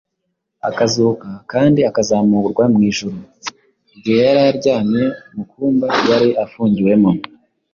akazuka, kandi akazamurwa mu ijuru. Igihe yari aryamye mu kumba yari afungiwemo,